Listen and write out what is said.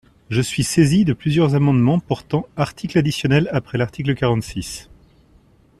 Je suis saisie de plusieurs amendements portant article additionnel après l’article quarante-six.